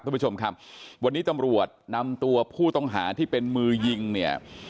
คุณผู้ชมครับวันนี้ตำรวจนำตัวผู้ต้องหาที่เป็นมือยิงเนี่ย